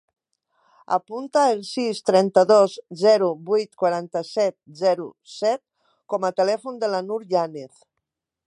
Apunta el sis, trenta-dos, zero, vuit, quaranta-set, zero, set com a telèfon de la Nur Yanez.